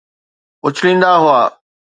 اڇليندا هئا